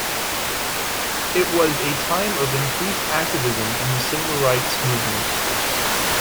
It was a time of increased activism in the Civil Rights Movement.